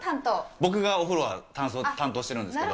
僕がお風呂は担当してるんですけど。